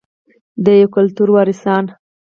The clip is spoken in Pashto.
د یو کلتور وارثان.